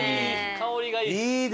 香りがいい。